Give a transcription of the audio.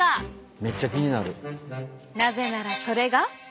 なぜならそれが。